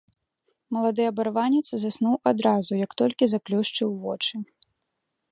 Малады абарванец заснуў адразу, як толькі заплюшчыў вочы.